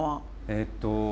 えっと